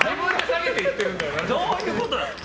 どういうことだよ。